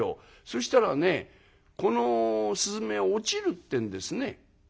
そしたらねこの雀落ちるってんですね」。